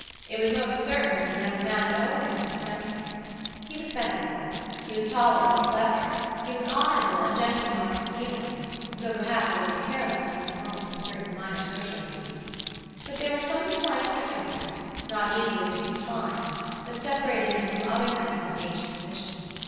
It was most certain that the young man had always been eccentric. He was sensible, he was tolerably clever, he was honorable and gentlemanlike in feeling, though perhaps a little careless in the performance of certain minor social duties; but there were some slight differences, not easily to be defined, that separated him from other men of his age and position.